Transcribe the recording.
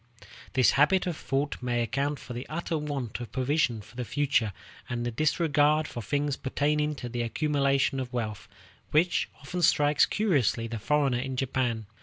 This habit of thought may account for the utter want of provision for the future, and the disregard for things pertaining to the accumulation of wealth, which often strikes curiously the foreigner in Japan.